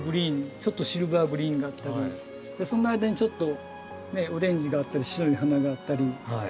ちょっとシルバーグリーンがあったりその間にちょっとオレンジがあったり白い花があったり。